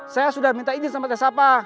saya sudah minta izin sama tesapa